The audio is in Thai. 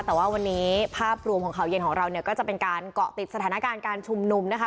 แต่ว่าวันนี้ภาพรวมของข่าวเย็นของเราเนี่ยก็จะเป็นการเกาะติดสถานการณ์การชุมนุมนะคะ